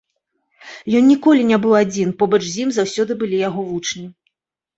Ён ніколі не быў адзін, побач з ім заўсёды былі яго вучні.